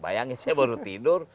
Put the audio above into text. bayangin saya baru tidur